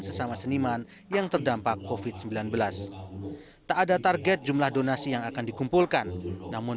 sesama seniman yang terdampak kofit sembilan belas tak ada target jumlah donasi yang akan dikumpulkan namun